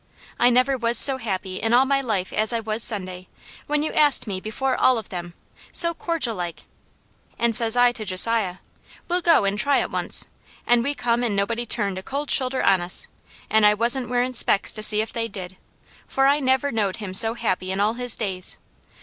I never was so happy in all my life as I was Sunday, when you ast me before all of them, so cordial like, an' says I to Josiah, 'We'll go an' try it once,' an' we come an' nobody turned a cold shoulder on us, an' I wa'n't wearin' specks to see if they did, for I never knowed him so happy in all his days.